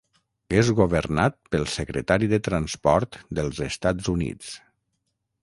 És governat pel Secretari de Transport dels Estats Units.